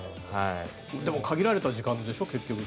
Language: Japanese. でも限られた時間でしょ。